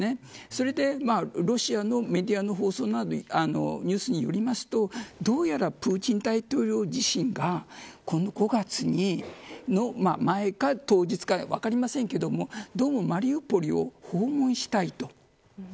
それでロシアのメディアの放送などニュースによりますとどうやらプーチン大統領自身がこの５月の前か当日か分かりませんがどうもマリウポリを訪問したいと。